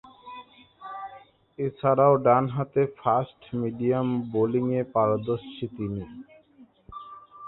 এছাড়াও ডানহাতে ফাস্ট-মিডিয়াম বোলিংয়ে পারদর্শী তিনি।